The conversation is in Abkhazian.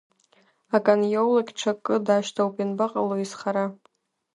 Ак аниоулакь ҽакы дашьҭоуп, ианбаҟалои изхара?